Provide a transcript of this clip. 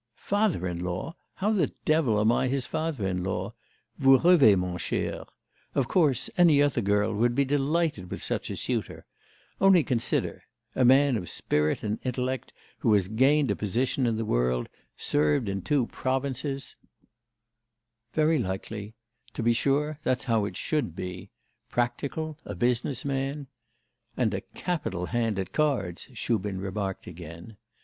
'Father in law! How the devil am I his father in law? Vous rêvez, mon cher. Of course, any other girl would be delighted with such a suitor. Only consider: a man of spirit and intellect, who has gained a position in the world, served in two provinces ' 'Led the governor in one of them by the nose,' remarked Shubin. 'Very likely. To be sure, that's how it should be. Practical, a business man ' 'And a capital hand at cards,' Shubin remarked again.